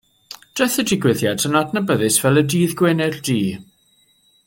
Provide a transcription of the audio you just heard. Daeth y digwyddiad yn adnabyddus fel Y Dydd Gwener Du.